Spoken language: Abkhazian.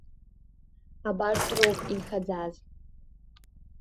Абарҭ роуп инхаӡаз.